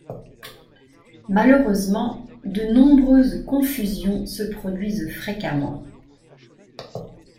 Malheureusement de nombreuses confusions se produisent fréquemment.